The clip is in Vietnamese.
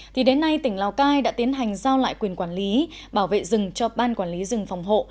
thì đến nay tỉnh lào cai đã tiến hành giao lại quyền quản lý bảo vệ rừng cho ban quản lý rừng phòng hộ